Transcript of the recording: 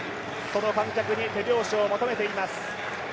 その観客に手拍子を求めています。